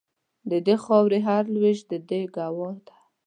د دې خاوري هر لوېشت د دې ګوا ده